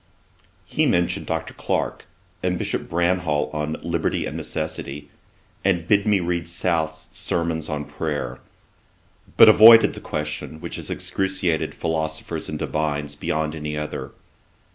He mentioned Dr. Clarke, and Bishop Bramhall on Liberty and Necessity, and bid me read South's Sermons on Prayer; but avoided the question which has excruciated philosophers and divines, beyond any other.